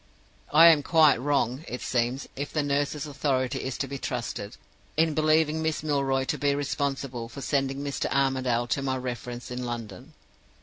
I am quite wrong, it seems, if the nurse's authority is to be trusted, in believing Miss Milroy to be responsible for sending Mr. Armadale to my reference in London.